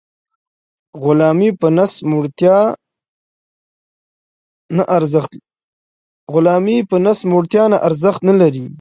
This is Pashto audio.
غلامي په نس موړتیا نه ارزښت نلري.